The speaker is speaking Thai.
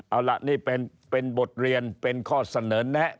เอาล่ะนี่เป็นบทเรียนเป็นข้อเสนอแนะ